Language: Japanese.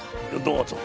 どうぞ。